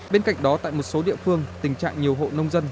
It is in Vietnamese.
bên cạnh đó tại một số địa phương tình trạng nhiều hộ nông dân